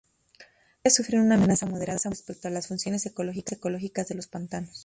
Todas ellas sufren una amenaza moderada respecto a las funciones ecológicas de los pantanos.